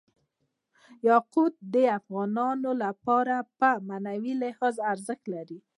یاقوت د افغانانو لپاره په معنوي لحاظ ارزښت لري.